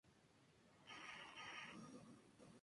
De sus primeros años de vida poco se sabe.